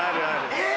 えっ！